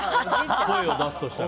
声を出すとしたら。